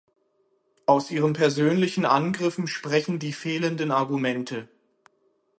Aus ihren persönlichen Angriffen sprechen die fehlenden Argumente.